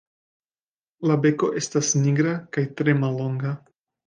La beko estas nigra kaj tre mallonga.